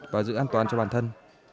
và giữ an toàn cho bản thân